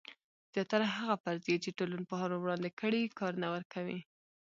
زیاتره هغه فرضیې چې ټولنپوهانو وړاندې کړي کار نه ورکوي.